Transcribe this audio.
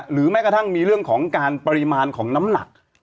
แม้กระทั่งมีเรื่องของการปริมาณของน้ำหนัก